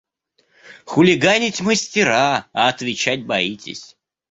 – Хулиганить мастера, а отвечать боитесь!